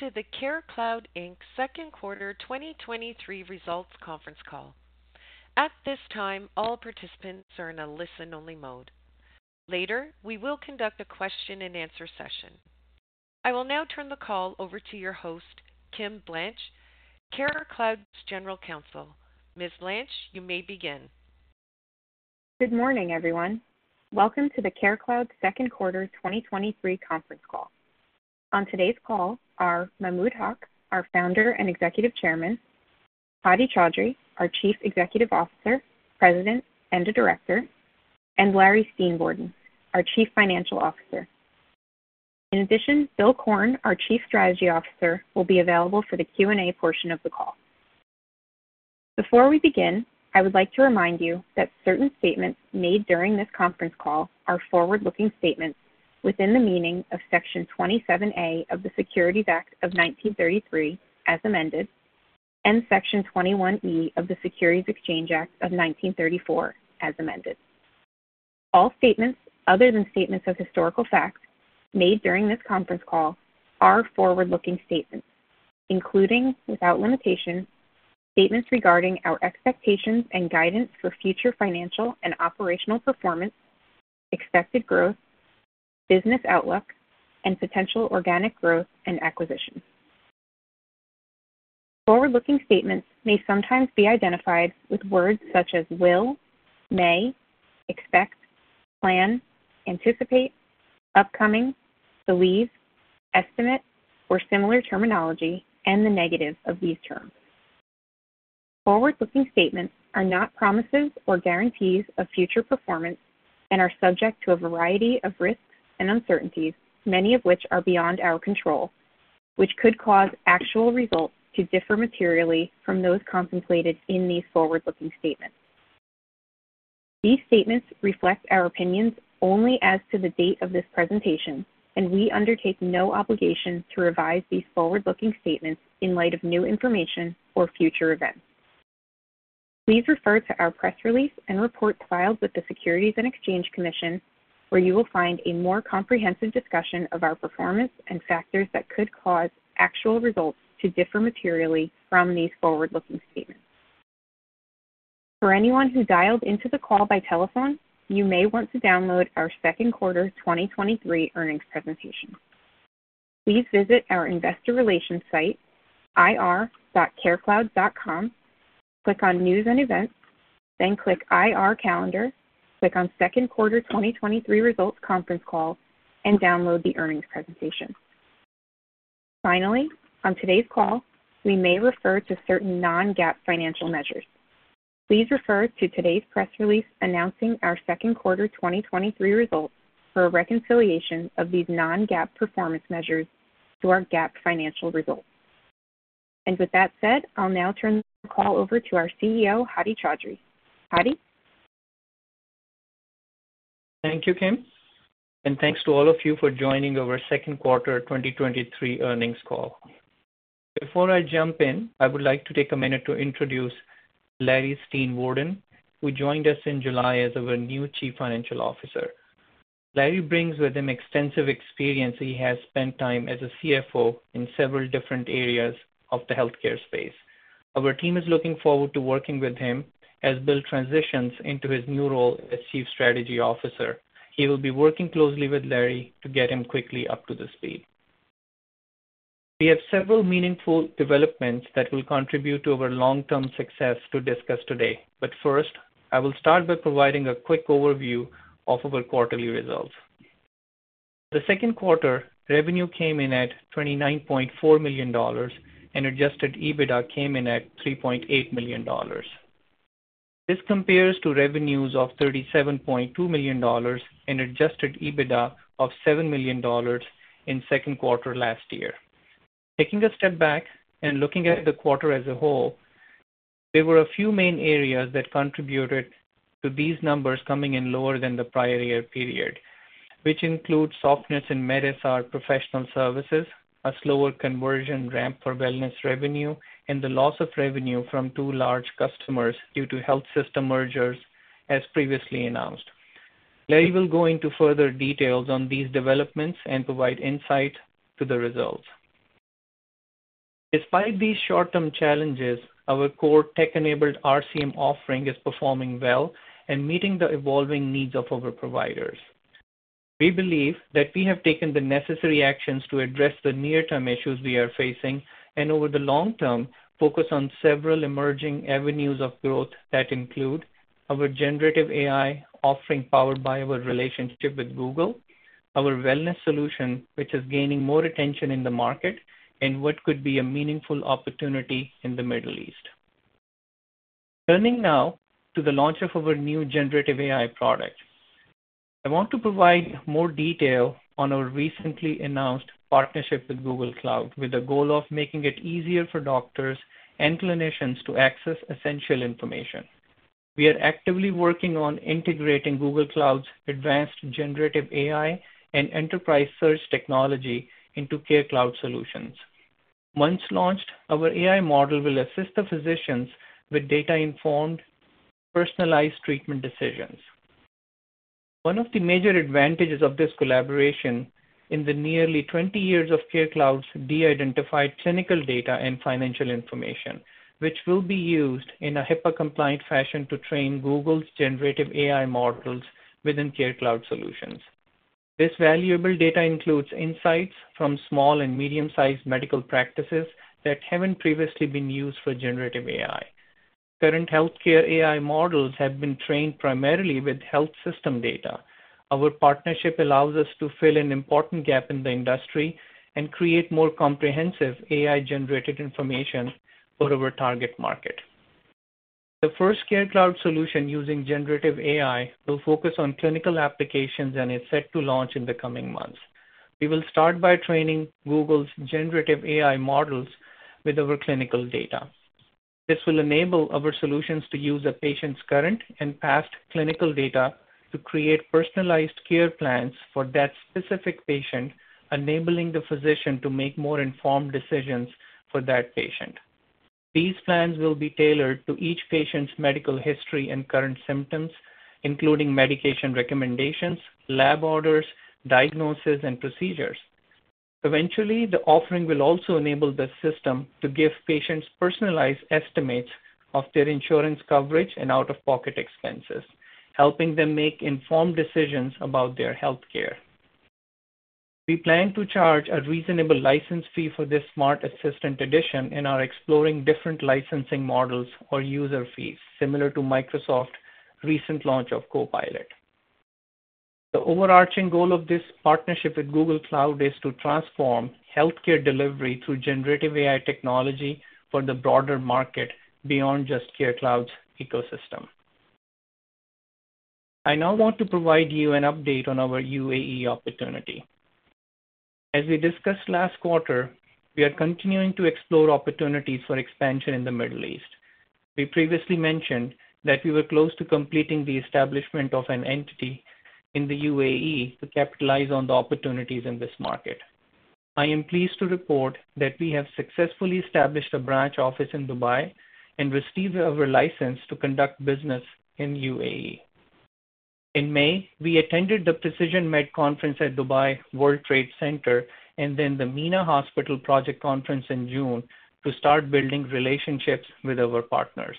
Welcome to the CareCloud, Inc.'s Second Quarter 2023 Results Conference Call. At this time, all participants are in a listen-only mode. Later, we will conduct a question-and-answer session. I will now turn the call over to your host, Kim Blanche, CareCloud's General Counsel. Ms. Blanche, you may begin. Good morning, everyone. Welcome to the CareCloud Second Quarter 2023 conference call. On today's call are Mahmud Haq, our Founder and Executive Chairman, Hadi Chaudhry, our Chief Executive Officer, President, and a Director, and Larry Steenvoorden, our Chief Financial Officer. In addition, Bill Korn, our Chief Strategy Officer, will be available for the Q&A portion of the call. Before we begin, I would like to remind you that certain statements made during this conference call are forward-looking statements within the meaning of Section 27A of the Securities Act of 1933, as amended, and Section 21E of the Securities Exchange Act of 1934, as amended. All statements other than statements of historical facts made during this conference call are forward-looking statements, including without limitation, statements regarding our expectations and guidance for future financial and operational performance, expected growth, business outlook, and potential organic growth and acquisitions. Forward-looking statements may sometimes be identified with words such as will, may, expect, plan, anticipate, upcoming, believe, estimate, or similar terminology, and the negative of these terms. Forward-looking statements are not promises or guarantees of future performance and are subject to a variety of risks and uncertainties, many of which are beyond our control, which could cause actual results to differ materially from those contemplated in these forward-looking statements. These statements reflect our opinions only as to the date of this presentation, and we undertake no obligation to revise these forward-looking statements in light of new information or future events. Please refer to our press release and reports filed with the Securities and Exchange Commission, where you will find a more comprehensive discussion of our performance and factors that could cause actual results to differ materially from these forward-looking statements. For anyone who dialed into the call by telephone, you may want to download our second quarter 2023 earnings presentation. Please visit our investor relations site, ir.carecloud.com, click on News and Events, then click IR Calendar, click on Second Quarter 2023 Results Conference Call, and download the earnings presentation. Finally, on today's call, we may refer to certain non-GAAP financial measures. Please refer to today's press release announcing our second quarter 2023 results for a reconciliation of these non-GAAP performance measures to our GAAP financial results. With that said, I'll now turn the call over to our CEO, Hadi Chaudhry. Hadi? Thank you, Kim, and thanks to all of you for joining our 2nd quarter 2023 earnings call. Before I jump in, I would like to take a minute to introduce Larry Steenvoorden, who joined us in July as our new Chief Financial Officer. Larry brings with him extensive experience. He has spent time as a CFO in several different areas of the healthcare space. Our team is looking forward to working with him as Bill transitions into his new role as Chief Strategy Officer. He will be working closely with Larry to get him quickly up to the speed. We have several meaningful developments that will contribute to our long-term success to discuss today. First, I will start by providing a quick overview of our quarterly results. The second quarter, revenue came in at $29.4 million, and Adjusted EBITDA came in at $3.8 million. This compares to revenues of $37.2 million and Adjusted EBITDA of $7 million in second quarter last year. Taking a step back and looking at the quarter as a whole, there were a few main areas that contributed to these numbers coming in lower than the prior year period, which include softness in medSR professional services, a slower conversion ramp for wellness revenue, and the loss of revenue from two large customers due to health system mergers as previously announced. Larry will go into further details on these developments and provide insight to the results. Despite these short-term challenges, our core tech-enabled RCM offering is performing well and meeting the evolving needs of our providers. We believe that we have taken the necessary actions to address the near-term issues we are facing, and over the long term, focus on several emerging avenues of growth that include our generative AI offering, powered by our relationship with Google, our wellness solution, which is gaining more attention in the market, and what could be a meaningful opportunity in the Middle East. Turning now to the launch of our new generative AI product. I want to provide more detail on our recently announced partnership with Google Cloud, with the goal of making it easier for doctors and clinicians to access essential information. We are actively working on integrating Google Cloud's advanced generative AI and enterprise search technology into CareCloud solutions. Once launched, our AI model will assist the physicians with data-informed, personalized treatment decisions.... One of the major advantages of this collaboration in the nearly 20 years of CareCloud's de-identified clinical data and financial information, which will be used in a HIPAA-compliant fashion to train Google's generative AI models within CareCloud solutions. This valuable data includes insights from small and medium-sized medical practices that haven't previously been used for generative AI. Current healthcare AI models have been trained primarily with health system data. Our partnership allows us to fill an important gap in the industry and create more comprehensive AI-generated information for our target market. The first CareCloud solution using generative AI will focus on clinical applications and is set to launch in the coming months. We will start by training Google's generative AI models with our clinical data. This will enable our solutions to use a patient's current and past clinical data to create personalized care plans for that specific patient, enabling the physician to make more informed decisions for that patient. These plans will be tailored to each patient's medical history and current symptoms, including medication recommendations, lab orders, diagnoses, and procedures. Eventually, the offering will also enable the system to give patients personalized estimates of their insurance coverage and out-of-pocket expenses, helping them make informed decisions about their healthcare. We plan to charge a reasonable license fee for this smart assistant edition and are exploring different licensing models or user fees, similar to Microsoft's recent launch of Copilot. The overarching goal of this partnership with Google Cloud is to transform healthcare delivery through generative AI technology for the broader market beyond just CareCloud's ecosystem. I now want to provide you an update on our UAE opportunity. As we discussed last quarter, we are continuing to explore opportunities for expansion in the Middle East. We previously mentioned that we were close to completing the establishment of an entity in the UAE to capitalize on the opportunities in this market. I am pleased to report that we have successfully established a branch office in Dubai and received our license to conduct business in UAE. In May, we attended the Precision Med Conference at Dubai World Trade Centre and then the MENA Hospital Project Conference in June to start building relationships with our partners.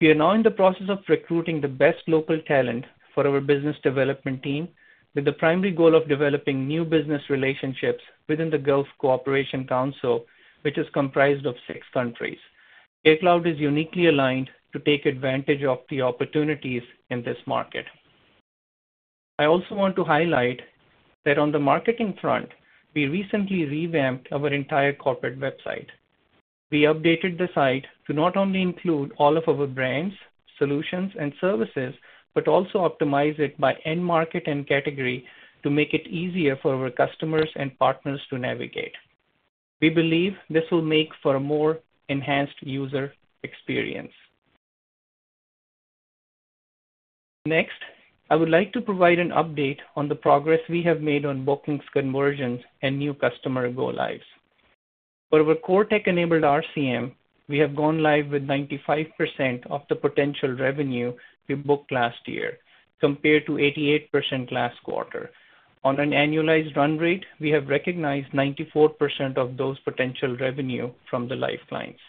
We are now in the process of recruiting the best local talent for our business development team, with the primary goal of developing new business relationships within the Gulf Cooperation Council, which is comprised of six countries. CareCloud is uniquely aligned to take advantage of the opportunities in this market. I also want to highlight that on the marketing front, we recently revamped our entire corporate website. We updated the site to not only include all of our brands, solutions, and services, but also optimize it by end market and category to make it easier for our customers and partners to navigate. We believe this will make for a more enhanced user experience. Next, I would like to provide an update on the progress we have made on bookings conversions and new customer go-lives. For our core tech-enabled RCM, we have gone live with 95% of the potential revenue we booked last year, compared to 88% last quarter. On an annualized run rate, we have recognized 94% of those potential revenue from the live clients.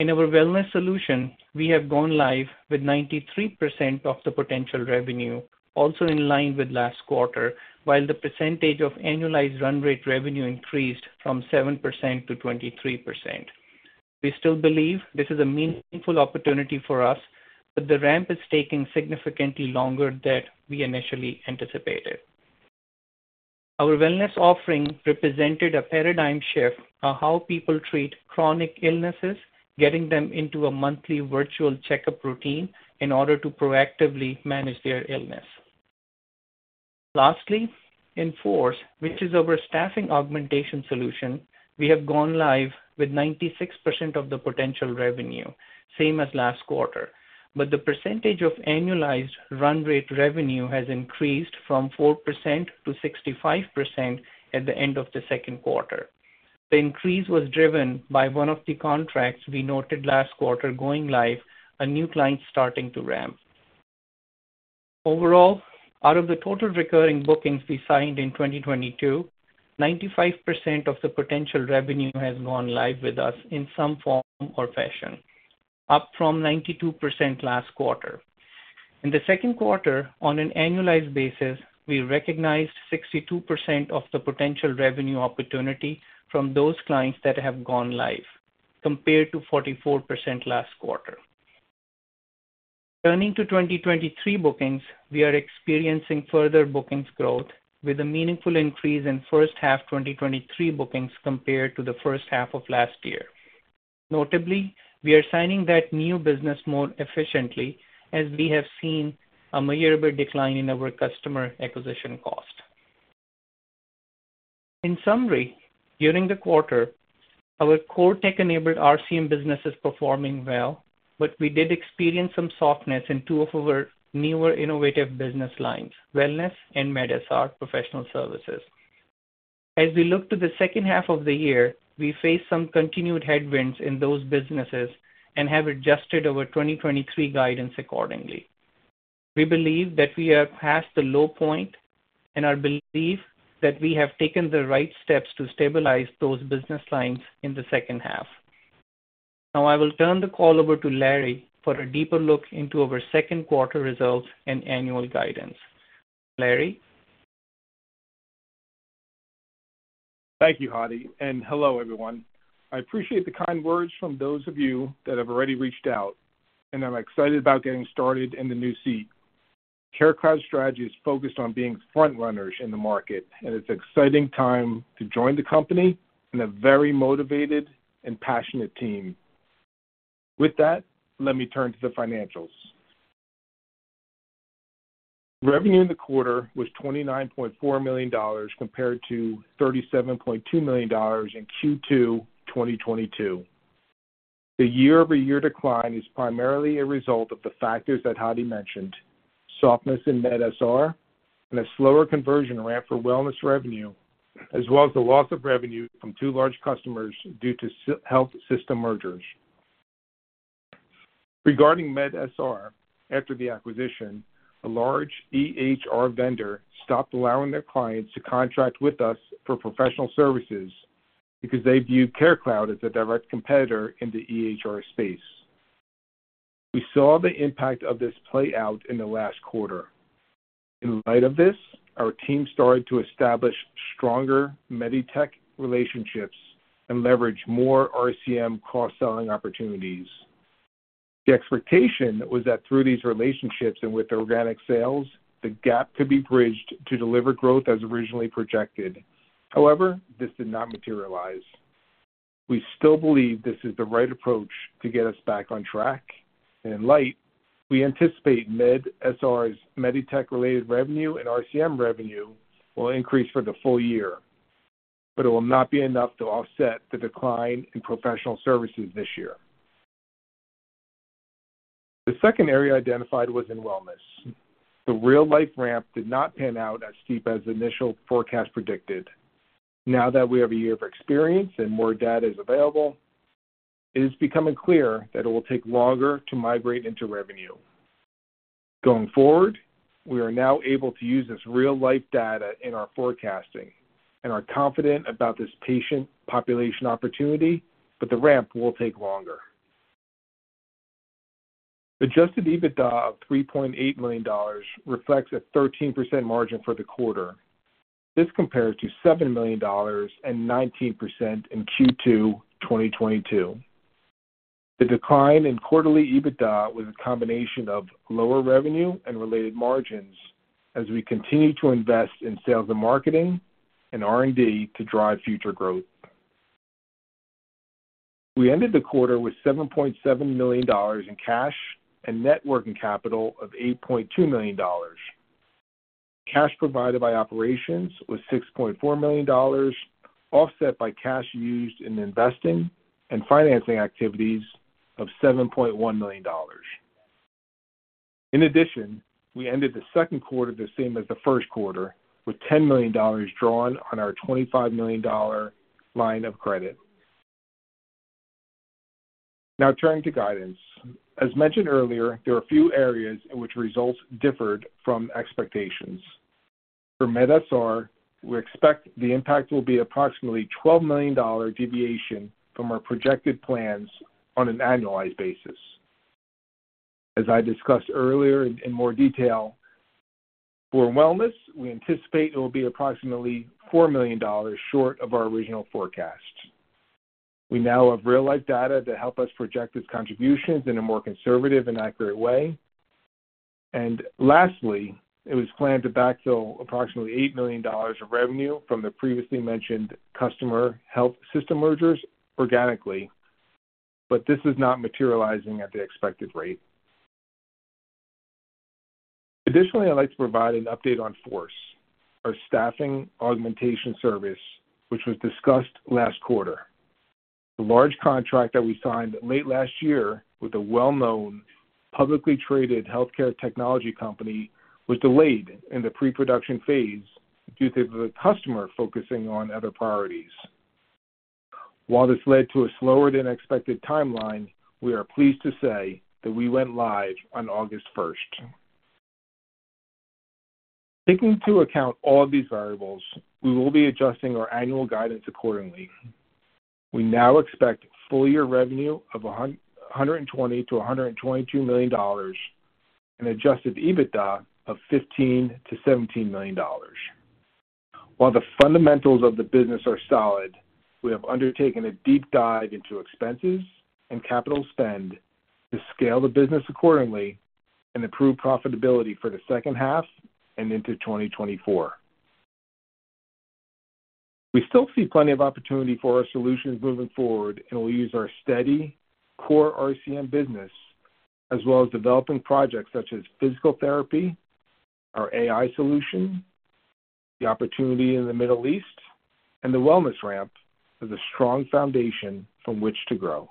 In our wellness solution, we have gone live with 93% of the potential revenue, also in line with last quarter, while the percentage of annualized run rate revenue increased from 7%-23%. We still believe this is a meaningful opportunity for us, but the ramp is taking significantly longer than we initially anticipated. Our wellness offering represented a paradigm shift on how people treat chronic illnesses, getting them into a monthly virtual checkup routine in order to proactively manage their illness. Lastly, in Force, which is our staffing augmentation solution, we have gone live with 96% of the potential revenue, same as last quarter. The percentage of annualized run rate revenue has increased from 4%-65% at the end of the second quarter. The increase was driven by one of the contracts we noted last quarter going live, a new client starting to ramp. Overall, out of the total recurring bookings we signed in 2022, 95% of the potential revenue has gone live with us in some form or fashion, up from 92% last quarter. In the second quarter, on an annualized basis, we recognized 62% of the potential revenue opportunity from those clients that have gone live, compared to 44% last quarter. Turning to 2023 bookings, we are experiencing further bookings growth, with a meaningful increase in first half 2023 bookings compared to the first half of last year. Notably, we are signing that new business more efficiently, as we have seen a measurable decline in our customer acquisition cost. In summary, during the quarter, our core tech-enabled RCM business is performing well, but we did experience some softness in two of our newer innovative business lines, wellness and MedASSET professional services.... As we look to the second half of the year, we face some continued headwinds in those businesses and have adjusted our 2023 guidance accordingly. We believe that we are past the low point, and I believe that we have taken the right steps to stabilize those business lines in the second half. Now, I will turn the call over to Larry for a deeper look into our second quarter results and annual guidance. Larry? Thank you, Hadi. Hello, everyone. I appreciate the kind words from those of you that have already reached out, and I'm excited about getting started in the new seat. CareCloud's strategy is focused on being front runners in the market, and it's an exciting time to join the company and a very motivated and passionate team. With that, let me turn to the financials. Revenue in the quarter was $29.4 million compared to $37.2 million in Q2, 2022. The year-over-year decline is primarily a result of the factors that Hadi mentioned: softness in medSR and a slower conversion ramp for wellness revenue, as well as the loss of revenue from two large customers due to health system mergers. Regarding medSR, after the acquisition, a large EHR vendor stopped allowing their clients to contract with us for professional services because they viewed CareCloud as a direct competitor in the EHR space. We saw the impact of this play out in the last quarter. In light of this, our team started to establish stronger MEDITECH relationships and leverage more RCM cross-selling opportunities. The expectation was that through these relationships and with organic sales, the gap could be bridged to deliver growth as originally projected. This did not materialize. We still believe this is the right approach to get us back on track, and in light, we anticipate medSR's MEDITECH-related revenue and RCM revenue will increase for the full year, but it will not be enough to offset the decline in professional services this year. The second area identified was in wellness. The real-life ramp did not pan out as steep as initial forecast predicted. Now that we have a year of experience and more data is available, it is becoming clear that it will take longer to migrate into revenue. Going forward, we are now able to use this real-life data in our forecasting and are confident about this patient population opportunity, but the ramp will take longer. Adjusted EBITDA of $3.8 million reflects a 13% margin for the quarter. This compares to $7 million and 19% in Q2, 2022. The decline in quarterly EBITDA was a combination of lower revenue and related margins as we continue to invest in sales and marketing and R&D to drive future growth. We ended the quarter with $7.7 million in cash and net working capital of $8.2 million. Cash provided by operations was $6.4 million, offset by cash used in investing and financing activities of $7.1 million. In addition, we ended the second quarter the same as the first quarter, with $10 million drawn on our $25 million line of credit. Now turning to guidance. As mentioned earlier, there are a few areas in which results differed from expectations. For MedSR, we expect the impact will be approximately $12 million deviation from our projected plans on an annualized basis. As I discussed earlier in more detail, for wellness, we anticipate it will be approximately $4 million short of our original forecast. We now have real-life data to help us project its contributions in a more conservative and accurate way. Lastly, it was planned to backfill approximately $8 million of revenue from the previously mentioned customer health system mergers organically, but this is not materializing at the expected rate. Additionally, I'd like to provide an update on Force, our staffing augmentation service, which was discussed last quarter. The large contract that we signed late last year with a well-known, publicly traded healthcare technology company was delayed in the pre-production phase due to the customer focusing on other priorities. While this led to a slower than expected timeline, we are pleased to say that we went live on August 1st. Taking into account all of these variables, we will be adjusting our annual guidance accordingly. We now expect full year revenue of $120 million-$122 million and Adjusted EBITDA of $15 million-$17 million. While the fundamentals of the business are solid, we have undertaken a deep dive into expenses and capital spend to scale the business accordingly and improve profitability for the second half and into 2024. We still see plenty of opportunity for our solutions moving forward, and we'll use our steady core RCM business as well as developing projects such as physical therapy, our AI solution, the opportunity in the Middle East, and the wellness ramp as a strong foundation from which to grow.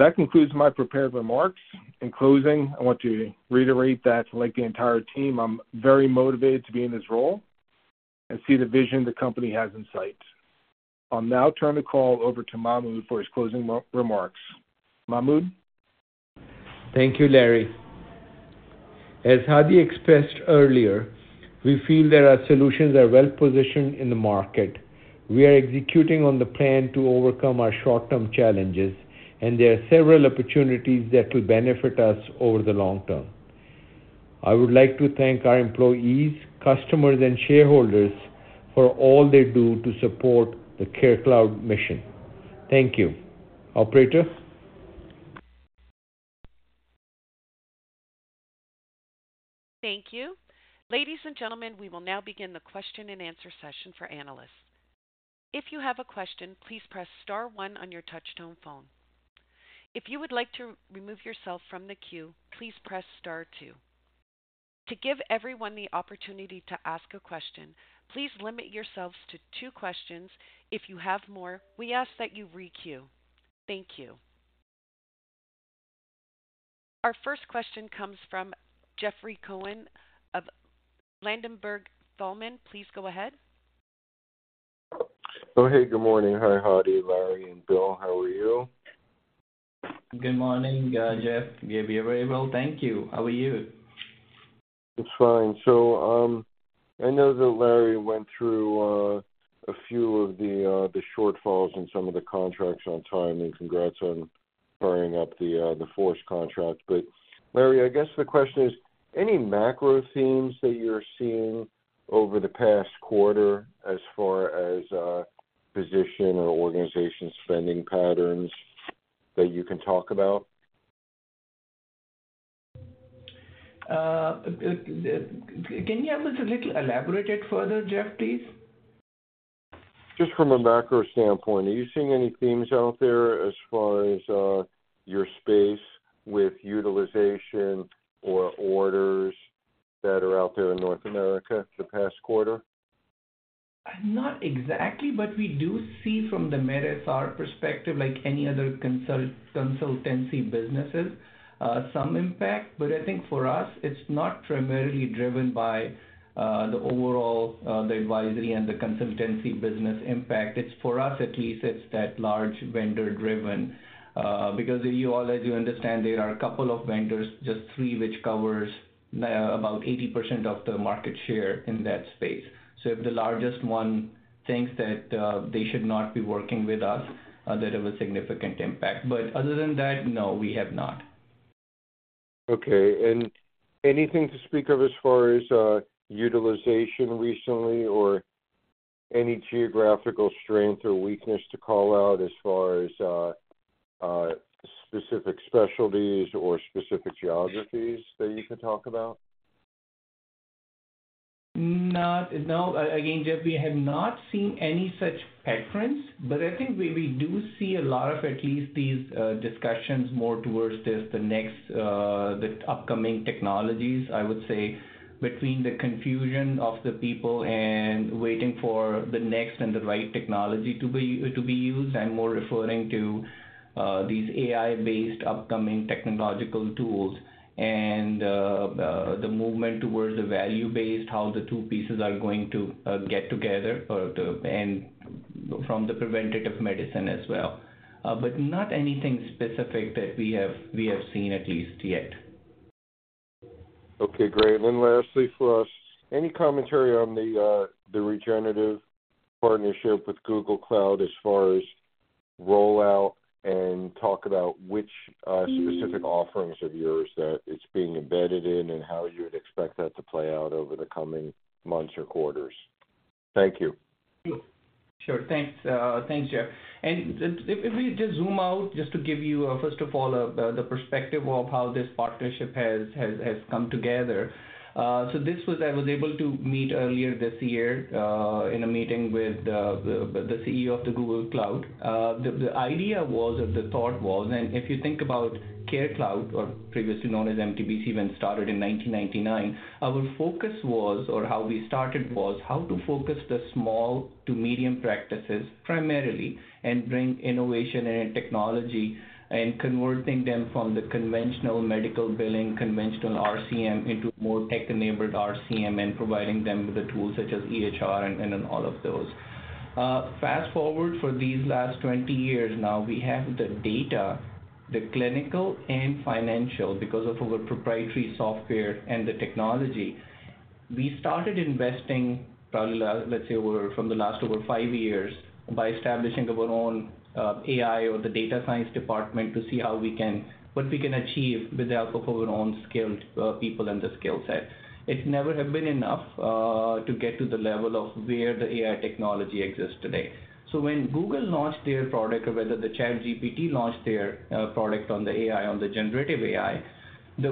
That concludes my prepared remarks. In closing, I want to reiterate that, like the entire team, I'm very motivated to be in this role and see the vision the company has in sight. I'll now turn the call over to Mahmud for his closing remarks. Mahmud? Thank you, Larry. As Hadi expressed earlier, we feel that our solutions are well positioned in the market. We are executing on the plan to overcome our short-term challenges, and there are several opportunities that will benefit us over the long term. I would like to thank our employees, customers, and shareholders for all they do to support the CareCloud mission. Thank you. Operator? Thank you. Ladies and gentlemen, we will now begin the question and answer session for analysts. If you have a question, please press star one on your touch-tone phone. If you would like to remove yourself from the queue, please press star two. To give everyone the opportunity to ask a question, please limit yourselves to two questions. If you have more, we ask that you re-queue. Thank you. Our first question comes from Jeffrey Cohen of Ladenburg Thalmann. Please go ahead. Oh, hey, good morning. Hi, Hadi, Larry, and Bill. How are you? Good morning, Jeff. We're very well, thank you. How are you? It's fine. I know that Larry went through a few of the shortfalls in some of the contracts on time, and congrats on firing up the Force contract. Larry, I guess the question is, any macro themes that you're seeing over the past quarter as far as position or organization spending patterns that you can talk about? Can you help us a little elaborate it further, Jeff, please? Just from a macro standpoint, are you seeing any themes out there as far as your space with utilization or orders that are out there in North America the past quarter? Not exactly, but we do see from the medSR perspective, like any other consult, consultancy businesses, some impact. I think for us, it's not primarily driven by the overall, the advisory and the consultancy business impact. It's for us at least, it's that large vendor-driven. Because you all, as you understand, there are a couple of vendors, just 3, which covers about 80% of the market share in that space. If the largest one thinks that they should not be working with us, that have a significant impact. Other than that, no, we have not. Okay. Anything to speak of as far as, utilization recently or any geographical strength or weakness to call out as far as, specific specialties or specific geographies that you can talk about? Not... No. Again, Jeff, we have not seen any such patterns, but I think we, we do see a lot of at least these discussions more towards this, the next, the upcoming technologies, I would say, between the confusion of the people and waiting for the next and the right technology to be, to be used. I'm more referring to these AI-based upcoming technological tools and the movement towards the value-based, how the two pieces are going to get together, to, and from the preventative medicine as well. Not anything specific that we have, we have seen at least yet. Okay, great. Lastly for us, any commentary on the, the generative partnership with Google Cloud as far as rollout? Talk about which, specific offerings of yours that it's being embedded in, and how you would expect that to play out over the coming months or quarters. Thank you. Sure. Thanks, thanks, Jeff. If, if we just zoom out, just to give you, first of all, the perspective of how this partnership has come together. So this was, I was able to meet earlier this year, in a meeting with the CEO of the Google Cloud. The idea was, or the thought was, if you think about CareCloud, or previously known as MTBC, when it started in 1999, our focus was, or how we started was, how to focus the small to medium practices primarily and bring innovation and technology, and converting them from the conventional medical billing, conventional RCM into more tech-enabled RCM and providing them with the tools such as EHR and all of those. Fast forward for these last 20 years now, we have the data, the clinical and financial, because of our proprietary software and the technology. We started investing, probably, let's say over, from the last over 5 years, by establishing our own AI or the data science department to see what we can achieve with the help of our own skilled people and the skill set. It never have been enough to get to the level of where the AI technology exists today. So when Google launched their product or whether the ChatGPT launched their product on the AI, on the generative AI, the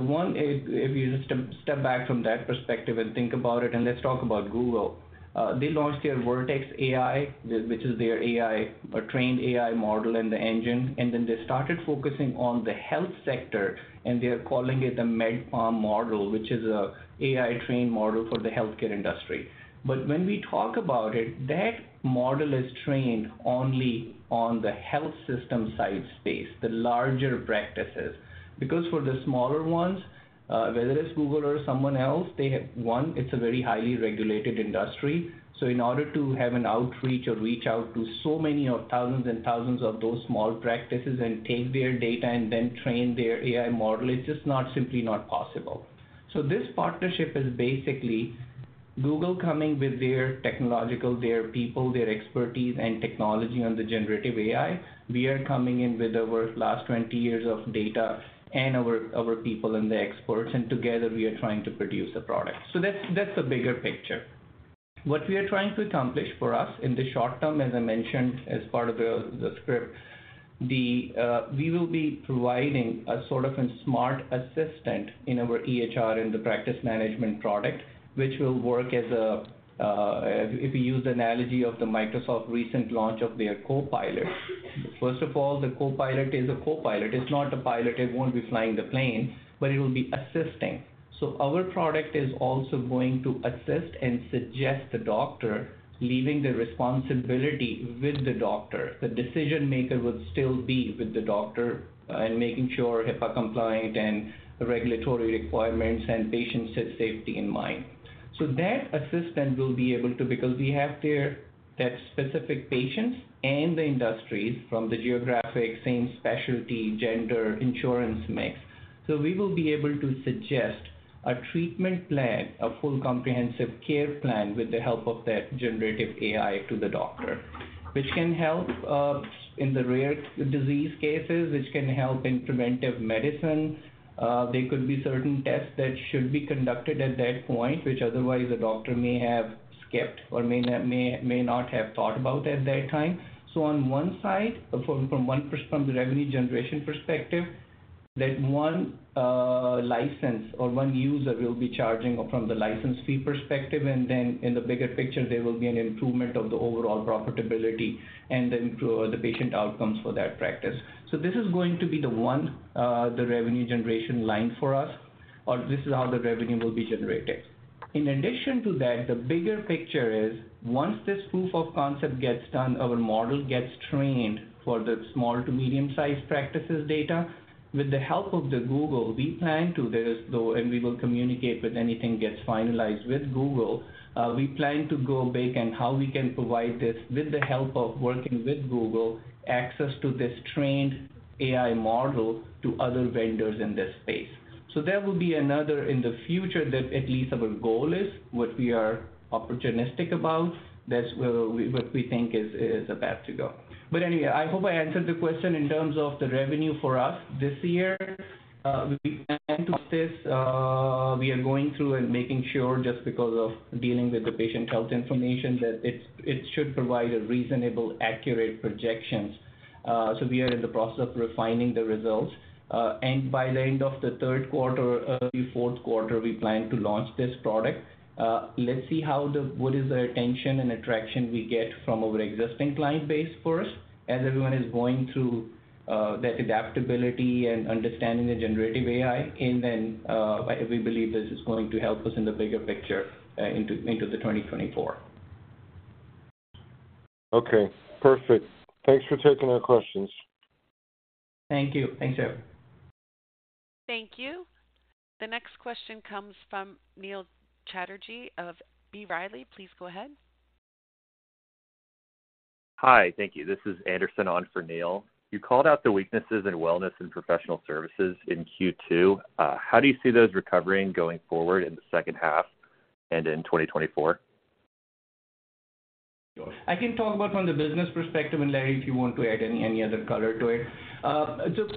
one, if you just step back from that perspective and think about it, and let's talk about Google. They launched their Vertex AI, which is their AI, a trained AI model and the engine, and then they started focusing on the health sector, and they are calling it the Med-PaLM model, which is a AI-trained model for the healthcare industry. When we talk about it, that model is trained only on the health system side space, the larger practices. For the smaller ones, whether it's Google or someone else, they have, one, it's a very highly regulated industry. In order to have an outreach or reach out to so many of thousands and thousands of those small practices and take their data and then train their AI model, it's just not simply not possible. This partnership is basically-... Google coming with their technological, their people, their expertise and technology on the generative AI. We are coming in with over last 20 years of data and our people and the experts, and together we are trying to produce a product. That's the bigger picture. What we are trying to accomplish for us in the short term, as I mentioned, as part of the script, we will be providing a sort of a smart assistant in our EHR in the practice management product, which will work as if you use the analogy of the Microsoft recent launch of their Copilot. First of all, the Copilot is a Copilot. It's not a pilot, it won't be flying the plane, it will be assisting. Our product is also going to assist and suggest the doctor, leaving the responsibility with the doctor. The decision maker will still be with the doctor, and making sure HIPAA compliant, and the regulatory requirements and patient set safety in mind. That assistant will be able to, because we have their, that specific patients and the industries from the geographic, same specialty, gender, insurance mix. We will be able to suggest a treatment plan, a full comprehensive care plan, with the help of that generative AI to the doctor, which can help in the rare disease cases, which can help in preventive medicine. There could be certain tests that should be conducted at that point, which otherwise a doctor may have skipped or may not have thought about at that time. On one side, from one from the revenue generation perspective, that one license or one user will be charging from the license fee perspective, and then in the bigger picture, there will be an improvement of the overall profitability and then improve the patient outcomes for that practice. This is going to be the one the revenue generation line for us, or this is how the revenue will be generated. In addition to that, the bigger picture is, once this proof of concept gets done, our model gets trained for the small to medium-sized practices data. With the help of Google, we plan to this, though. We will communicate with anything gets finalized with Google. We plan to go big and how we can provide this, with the help of working with Google, access to this trained AI model to other vendors in this space. There will be another in the future that at least our goal is, what we are opportunistic about. That's where we, what we think is, is the path to go. Anyway, I hope I answered the question in terms of the revenue for us this year. We plan to this. We are going through and making sure, just because of dealing with the patient health information, that it, it should provide a reasonable, accurate projections. We are in the process of refining the results. By the end of the 3rd quarter, early 4th quarter, we plan to launch this product. Let's see how what is the attention and attraction we get from our existing client base first, as everyone is going through that adaptability and understanding the generative AI. We believe this is going to help us in the bigger picture, into, into the 2024. Okay, perfect. Thanks for taking our questions. Thank you. Thanks, Jeff. Thank you. The next question comes from Neil Chatterjee of B. Riley. Please go ahead. Hi, thank you. This is Anderson on for Neil. You called out the weaknesses in wellness and professional services in Q2. How do you see those recovering going forward in the second half and in 2024? I can talk about from the business perspective, and, Larry, if you want to add any, any other color to it. Just,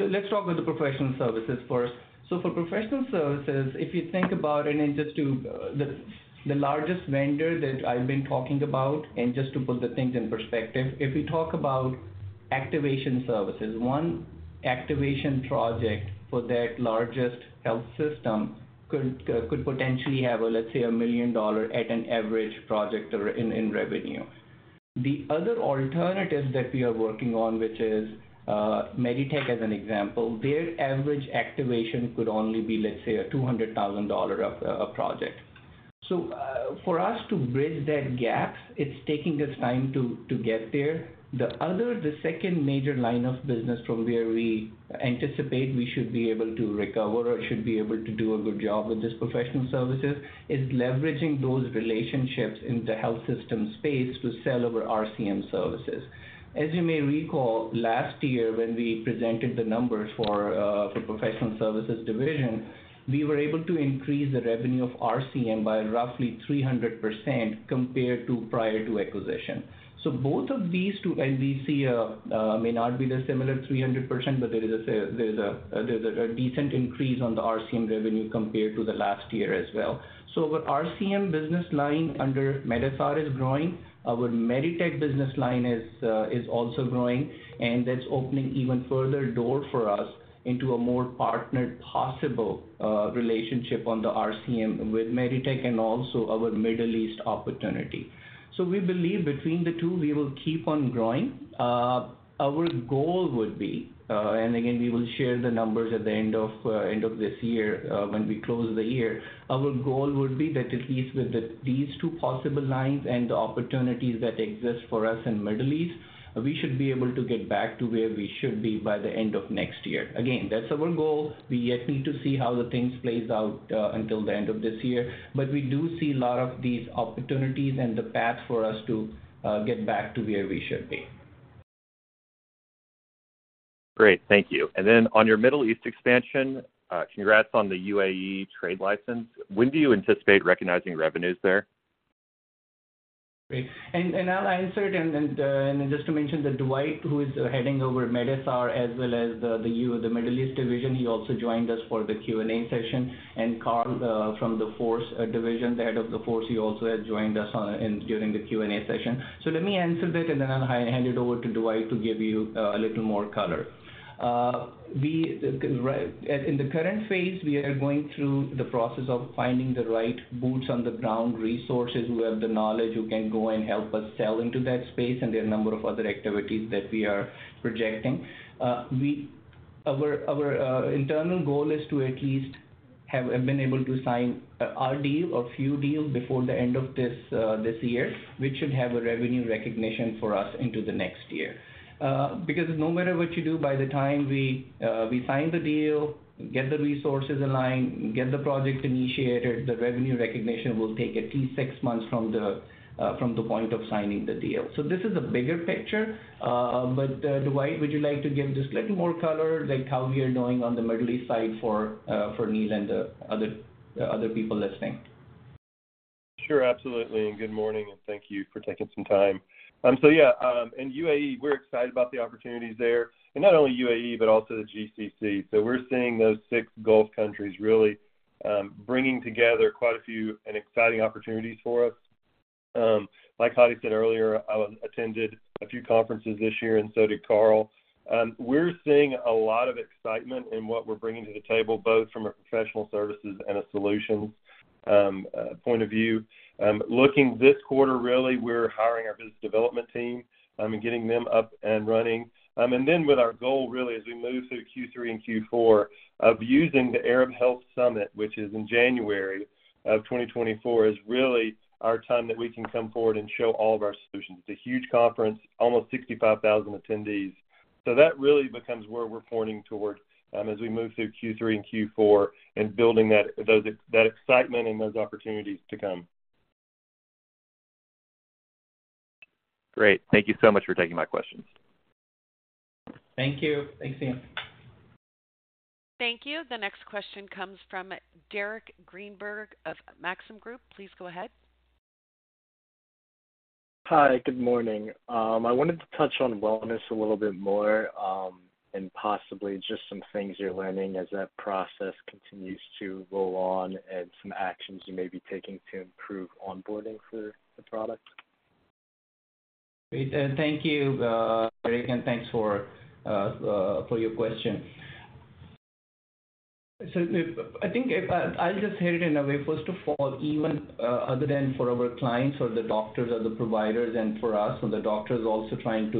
let's talk about the professional services first. For professional services, if you think about it, and just to the, the largest vendor that I've been talking about, and just to put the things in perspective. If we talk about activation services, one activation project for that largest health system could, could potentially have, let's say, a $1 million at an average project or in, in revenue. The other alternative that we are working on, which is, MEDITECH, as an example, their average activation could only be, let's say, a $200,000 of, project. For us to bridge that gap, it's taking us time to, to get there. The second major line of business from where we anticipate we should be able to recover or should be able to do a good job with this professional services, is leveraging those relationships in the health system space to sell over RCM services. As you may recall, last year when we presented the numbers for professional services division, we were able to increase the revenue of RCM by roughly 300% compared to prior to acquisition. Both of these two NBC may not be the similar 300%, but there is a decent increase on the RCM revenue compared to the last year as well. Our RCM business line under medSR is growing. Our MEDITECH business line is also growing, that's opening even further door for us into a more partnered possible relationship on the RCM with MEDITECH and also our Middle East opportunity. We believe between the two, we will keep on growing. Our goal would be, again, we will share the numbers at the end of this year when we close the year. Our goal would be that at least with the, these two possible lines and the opportunities that exist for us in Middle East, we should be able to get back to where we should be by the end of next year. Again, that's our goal. We yet need to see how the things plays out until the end of this year. We do see a lot of these opportunities and the path for us to get back to where we should be. Great. Thank you. Then on your Middle East expansion, congrats on the UAE trade license. When do you anticipate recognizing revenues there? Great. I'll answer it, and just to mention that Dwight, who is heading over medSR, as well as the UAE, the Middle East division, he also joined us for the Q&A session. Carl, from the Force division, the head of the Force, he also has joined us during the Q&A session. Let me answer that, and then I'll hand it over to Dwight to give you a little more color. We, right, in the current phase, we are going through the process of finding the right boots on the ground resources, who have the knowledge, who can go and help us sell into that space, and there are a number of other activities that we are projecting. Our internal goal is to at least have been able to sign a few deals before the end of this year, which should have a revenue recognition for us into the next year. Because no matter what you do, by the time we sign the deal, get the resources aligned, get the project initiated, the revenue recognition will take at least 6 months from the point of signing the deal. This is a bigger picture. But, Dwight, would you like to give just a little more color, like how we are doing on the Middle East side for Neil and the other people listening? Sure, absolutely. Good morning, and thank you for taking some time. Yeah, in UAE, we're excited about the opportunities there. Not only UAE, but also the GCC. We're seeing those six Gulf countries really bringing together quite a few and exciting opportunities for us. Like Hadi said earlier, I attended a few conferences this year, and so did Carl. We're seeing a lot of excitement in what we're bringing to the table, both from a professional services and a solutions point of view. Looking this quarter, really, we're hiring our business development team and getting them up and running. Then with our goal really, as we move through Q3 and Q4, of using the Arab Health Summit, which is in January of 2024, is really our time that we can come forward and show all of our solutions. It's a huge conference, almost 65,000 attendees. That really becomes where we're pointing towards, as we move through Q3 and Q4, and building that, those that excitement and those opportunities to come. Great. Thank you so much for taking my questions. Thank you. Thanks, Marc. Thank you. The next question comes from Derek Greenberg of Maxim Group. Please go ahead. Hi, good morning. I wanted to touch on wellness a little bit more, and possibly just some things you're learning as that process continues to roll on, and some actions you may be taking to improve onboarding for the product. Great, thank you, Derek, and thanks for your question. I, I think if I'll just hit it in a way, first of all, even, other than for our clients or the doctors or the providers and for us, the doctors also trying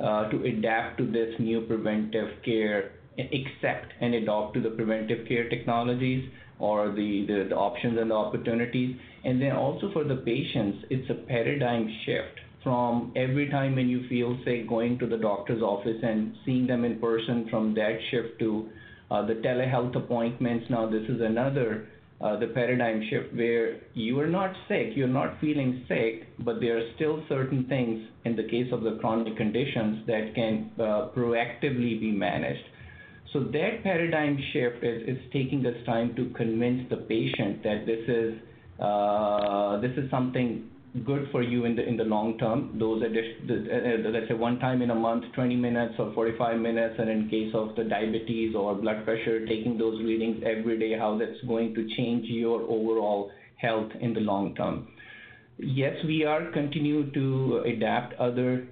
to adapt to this new preventive care, accept and adopt to the preventive care technologies or the, the options and the opportunities. Then also for the patients, it's a paradigm shift from every time when you feel sick, going to the doctor's office and seeing them in person, from that shift to the telehealth appointments. Now, this is another, the paradigm shift where you are not sick, you're not feeling sick, but there are still certain things in the case of the chronic conditions, that can proactively be managed. That paradigm shift is, is taking this time to convince the patient that this is, this is something good for you in the, in the long term. Those let's say, one time in a month, 20 minutes or 45 minutes, and in case of the diabetes or blood pressure, taking those readings every day, how that's going to change your overall health in the long term. We are continuing to adapt other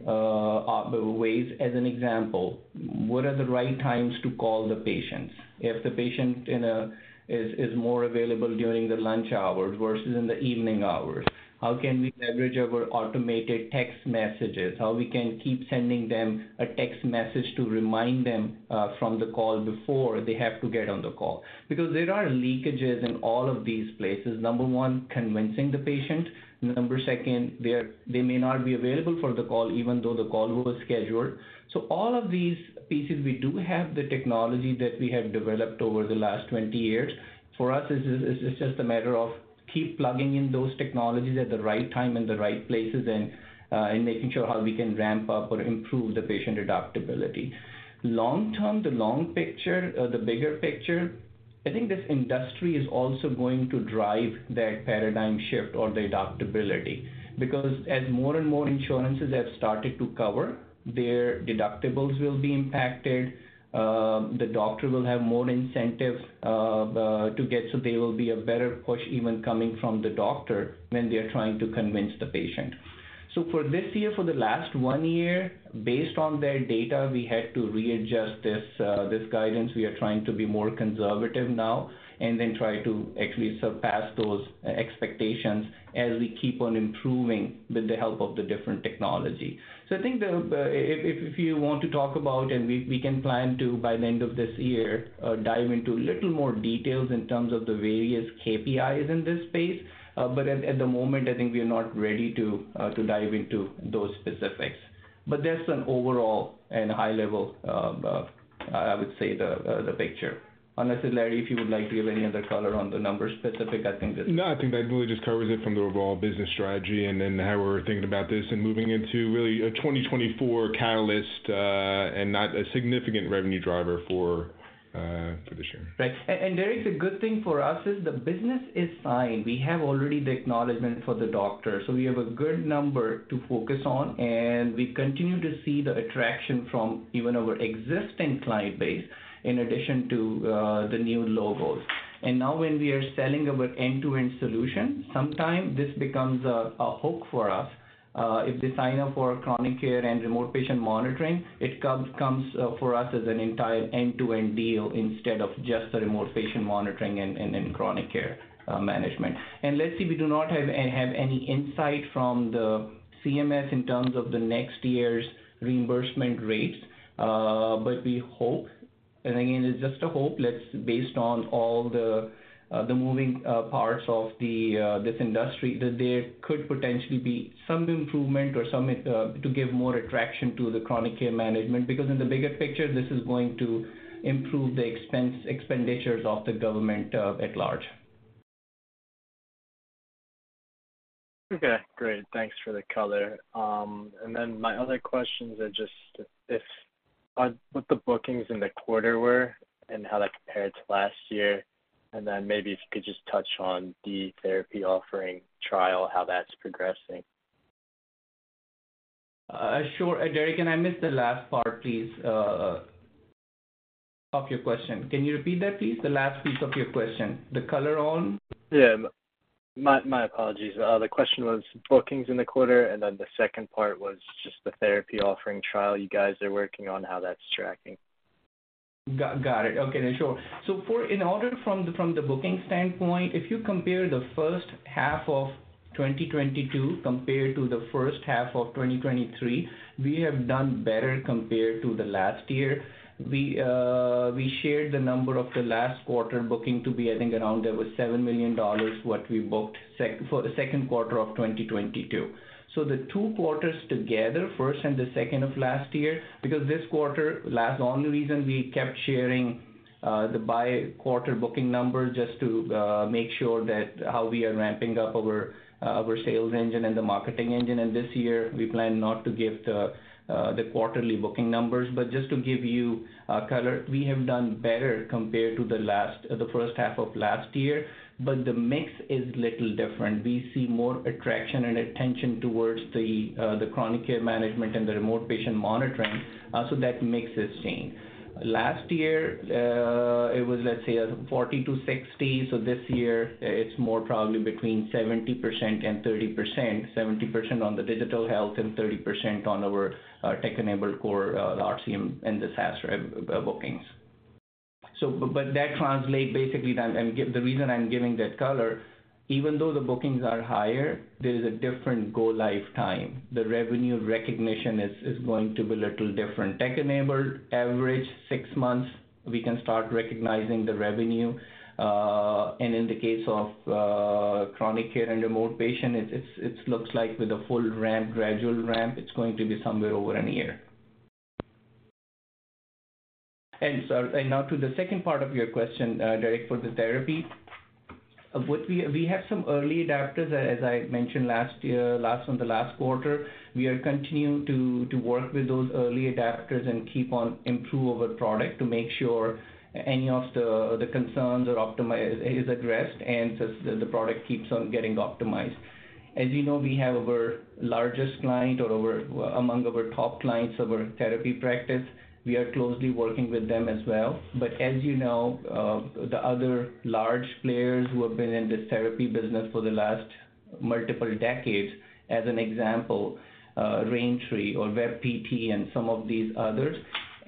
ways. As an example, what are the right times to call the patients? If the patient in a, is, is more available during the lunch hours versus in the evening hours, how can we leverage our automated text messages? How we can keep sending them a text message to remind them from the call before they have to get on the call. There are leakages in all of these places. Number one, convincing the patient. Number second, they may not be available for the call, even though the call was scheduled. All of these pieces, we do have the technology that we have developed over the last 20 years. For us, it's, it's just a matter of keep plugging in those technologies at the right time and the right places, and making sure how we can ramp up or improve the patient adaptability. Long term, the long picture, the bigger picture, I think this industry is also going to drive that paradigm shift or the adaptability. As more and more insurances have started to cover, their deductibles will be impacted, the doctor will have more incentive to get, so there will be a better push even coming from the doctor when they are trying to convince the patient. For this year, for the last 1 year, based on their data, we had to readjust this guidance. We are trying to be more conservative now and then try to actually surpass those expectations as we keep on improving with the help of the different technology. I think if you want to talk about, and we can plan to, by the end of this year, dive into a little more details in terms of the various KPIs in this space. But at, at the moment, I think we are not ready to dive into those specifics. That's an overall and high level, I would say, the, the, the picture. Unless, Larry, if you would like to give any other color on the numbers specific, I think that- No, I think that really just covers it from the overall business strategy and then how we're thinking about this and moving into really a 2024 catalyst, and not a significant revenue driver for this year. Right. Derek, the good thing for us is the business is fine. We have already the acknowledgement for the doctor, so we have a good number to focus on. We continue to see the attraction from even our existing client base, in addition to the new logos. Now when we are selling our end-to-end solution, sometimes this becomes a, a hook for us. If they sign up for chronic care and remote patient monitoring, it comes, comes for us as an entire end-to-end deal instead of just the remote patient monitoring and, and, and chronic care management. Let's see, we do not have any insight from the CMS in terms of the next year's reimbursement rates, but we hope, and again, it's just a hope, based on all the, the moving, parts of the, this industry, that there could potentially be some improvement or some, to give more attraction to the chronic care management, because in the bigger picture, this is going to improve the expenditures of the government, at large. Okay, great. Thanks for the color. My other questions are just if, on what the bookings in the quarter were and how that compared to last year, and then maybe if you could just touch on the therapy offering trial, how that's progressing? Sure. Derek, and I missed the last part, please, of your question. Can you repeat that, please? The last piece of your question? The color on? Yeah. My, my apologies. The question was bookings in the quarter. Then the second part was just the therapy offering trial you guys are working on, how that's tracking? Got it. Okay, sure. For in order from the booking standpoint, if you compare the first half of 2022 compared to the first half of 2023, we have done better compared to the last year. We shared the number of the last quarter booking to be, I think, around $7 million, what we booked for the second quarter of 2022. The two quarters together, first and the second of last year, because this quarter, last. Only reason we kept sharing the by quarter booking number, just to make sure that how we are ramping up our sales engine and the marketing engine. This year we plan not to give the quarterly booking numbers. Just to give you color, we have done better compared to the last, the first half of last year, but the mix is little different. We see more attraction and attention towards the chronic care management and the remote patient monitoring. That makes it seen. Last year, it was, let's say, 40-60. This year it's more probably between 70% and 30%. 70% on the digital health and 30% on our tech-enabled core RCM and the SaaS bookings. But that translate basically, then, and give... The reason I'm giving that color, even though the bookings are higher, there is a different go-live time. The revenue recognition is going to be a little different. Tech-enabled, average 6 months, we can start recognizing the revenue. In the case of chronic care and remote patient, it's, it looks like with a full ramp, gradual ramp, it's going to be somewhere over a year. To the second part of your question, Derek, for the therapy. What we have some early adopters, as I mentioned last year, last on the last quarter. We are continuing to work with those early adopters and keep on improve our product to make sure any of the, the concerns are addressed, and so the product keeps on getting optimized. As you know, we have our largest client or among our top clients, our therapy practice. We are closely working with them as well. As you know, the other large players who have been in this therapy business for the last multiple decades, as an example, Raintree or WebPT, and some of these others,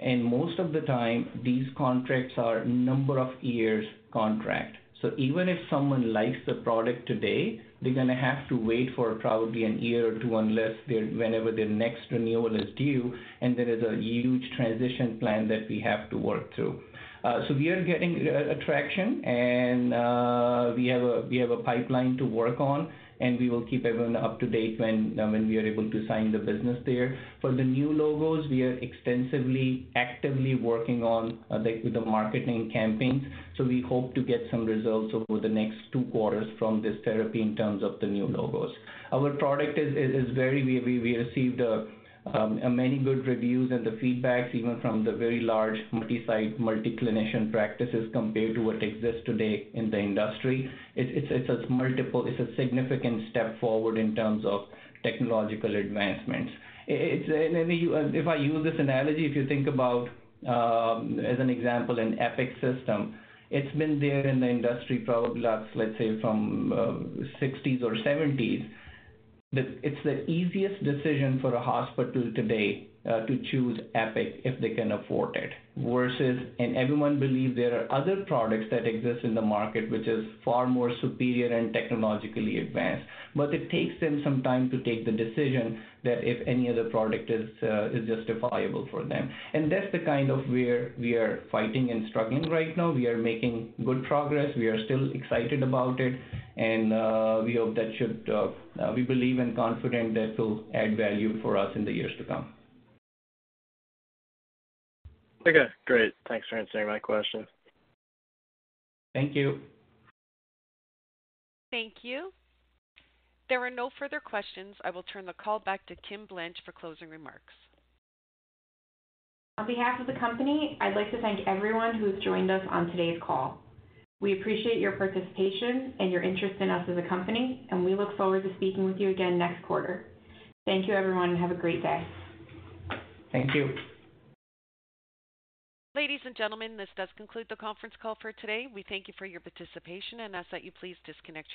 and most of the time these contracts are number of years contract. Even if someone likes the product today, they're gonna have to wait for probably a year or two, unless there, whenever their next renewal is due, and there is a huge transition plan that we have to work through. We are getting traction and we have a, we have a pipeline to work on, and we will keep everyone up to date when when we are able to sign the business there. For the new logos, we are extensively, actively working on the, with the marketing campaign. We hope to get some results over the next 2 quarters from this therapy in terms of the new logos. Our product is very we received many good reviews and the feedbacks, even from the very large multi-site, multi-clinician practices, compared to what exists today in the industry. It's a multiple... It's a significant step forward in terms of technological advancements. It, and maybe if I use this analogy, if you think about as an example, an Epic system, it's been there in the industry probably, let's say from 60s or 70s. It's the easiest decision for a hospital today to choose Epic, if they can afford it, versus, and everyone believes there are other products that exist in the market, which is far more superior and technologically advanced. It takes them some time to take the decision that if any other product is justifiable for them. That's the kind of we are fighting and struggling right now. We are making good progress. We are still excited about it, and we hope that should, we believe and confident that will add value for us in the years to come. Okay, great. Thanks for answering my question. Thank you. Thank you. There are no further questions. I will turn the call back to Kim Blanche for closing remarks. On behalf of the company, I'd like to thank everyone who has joined us on today's call. We appreciate your participation and your interest in us as a company, and we look forward to speaking with you again next quarter. Thank you, everyone, and have a great day. Thank you. Ladies and gentlemen, this does conclude the conference call for today. We thank you for your participation and ask that you please disconnect.